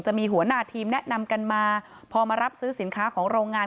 จะมีหัวหน้าทีมแนะนำกันมาพอมารับซื้อสินค้าของโรงงาน